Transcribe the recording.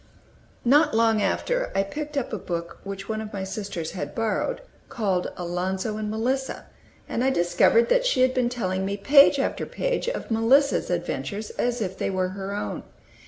Not long after I picked up a book which one of my sisters had borrowed, called "Alonzo and Melissa," and I discovered that she had been telling me page after page of "Melissa's" adventures, as if they were her own.